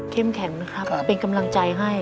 แข็งนะครับเป็นกำลังใจให้